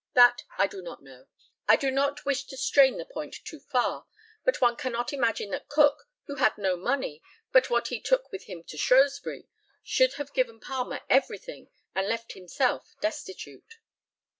That I do not know. I do not wish to strain the point too far, but one cannot imagine that Cook, who had no money but what he took with him to Shrewsbury, should have given Palmer everything and left himself destitute.